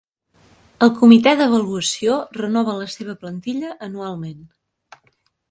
El comitè d'Avaluació renova la seva plantilla anualment.